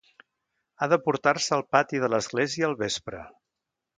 Ha de portar-se al pati de l'església al vespre.